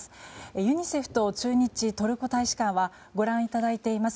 ユニセフと駐日トルコ大使館はご覧いただいています